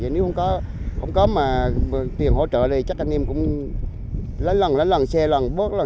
nếu không có tiền hỗ trợ đây chắc anh em cũng lấy lần lấy lần xe lần bớt lần